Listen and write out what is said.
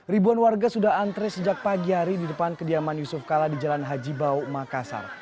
ribuan warga sudah antre sejak pagi hari di depan kediaman yusuf kala di jalan haji bau makassar